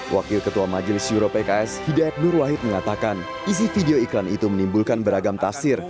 wakil ketua majelis euro pks hidayat nur wahid mengatakan isi video iklan itu menimbulkan beragam tafsir